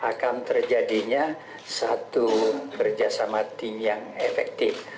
ya akan terjadinya satu kerjasama team yang efektif